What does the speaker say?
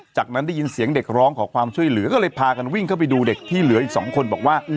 จากนั้นได้ยินเสียงเด็กร้องขอความช่วยเหลือก็เลยพากันวิ่งเข้าไปดูเด็กที่เหลืออีก๒คนบอกว่า